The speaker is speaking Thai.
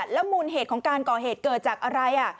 แล้วมูลเหตุของการก่อเหตุเกิดจากอะไร